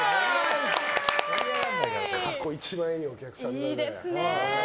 過去一番いいお客さんだよ。